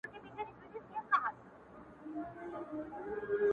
د بشريت له روحه وباسه ته ـ